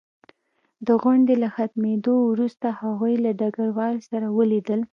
د غونډې له ختمېدو وروسته هغوی له ډګروال سره ولیدل